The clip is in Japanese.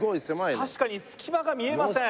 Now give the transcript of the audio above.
確かに隙間が見えません